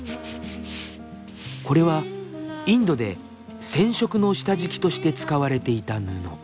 これはインドで染色の下敷きとして使われていた布。